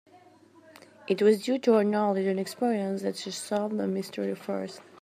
It was due to her knowledge and experience that she solved the mystery first.